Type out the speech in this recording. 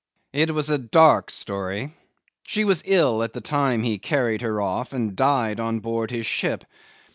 It was a dark story. She was ill at the time he carried her off, and died on board his ship.